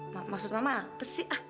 maksud mama apa sih